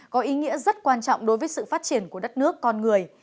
có ý nghĩa rất quan trọng đối với sự phát triển của đất nước con người